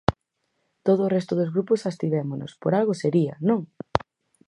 Todo o resto dos grupos abstivémonos, ¡por algo sería!, ¿non?